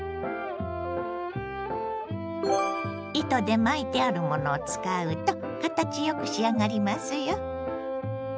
糸で巻いてあるものを使うと形よく仕上がりますよ。